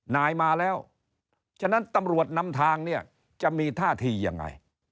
นายมาแล้วฉะนั้นตำรวจนำทางเนี่ยจะมีท่าทียังไง